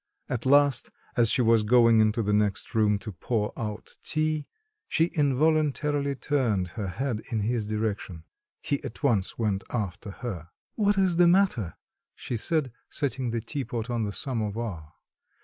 At last, as she was going into the next room to pour out tea, she involuntarily turned her head in his direction. He at once went after her. "What is the matter?" she said, setting the teapot on the samovar.